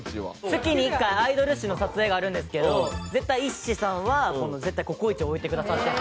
月に１回アイドル誌の撮影があるんですけど一誌さんは絶対ココイチを置いてくださっていて。